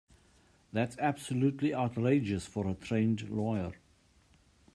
That's absolutely outrageous for a trained lawyer.